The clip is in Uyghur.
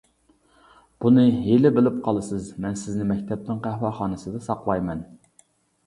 بۇنى ھېلى بىلىپ قالىسىز مەن سىزنى مەكتەپنىڭ قەھۋەخانىسىدا ساقلايمەن.